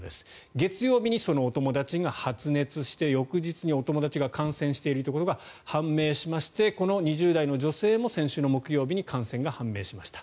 月曜日にそのお友達が発熱して翌日にお友達が感染していることが判明しましてこの２０代の女性も先週の木曜日に感染が判明しました。